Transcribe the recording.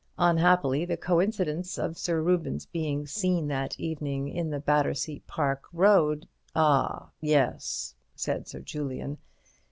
Unhappily, the coincidence of Sir Reuben's being seen that evening in the Battersea Park Road—" "Ah, yes," said Sir Julian.